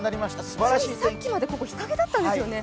ついさっきまでここ、日陰だったんですよね。